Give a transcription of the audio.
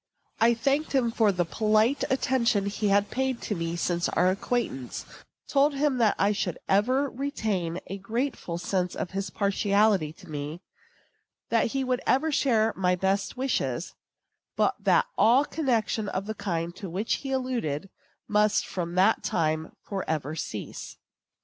I thanked him for the polite attention he had paid me since our acquaintance, told him that I should ever retain a grateful sense of his partiality to me, that he would ever share my best wishes, but that all connection of the kind to which he alluded must from that time forever cease.